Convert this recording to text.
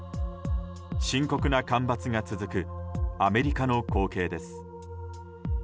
深刻な干ばつが続くアメリカの光景です。